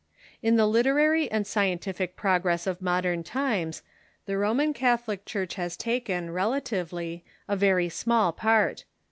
In the literary and scientific progress of modern times the Roman Catholic Church has taken, relatively, a very small part.